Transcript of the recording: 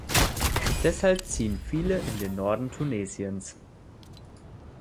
Deshalb ziehen viele in den Norden Tunesiens.